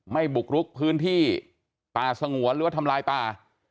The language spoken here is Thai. บุกรุกพื้นที่ป่าสงวนหรือว่าทำลายป่า